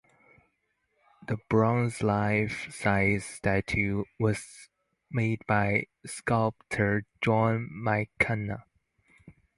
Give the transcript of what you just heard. The bronze life size statue was made by sculptor John McKenna.